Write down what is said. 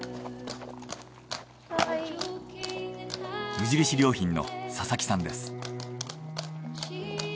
無印良品の佐々木さんです。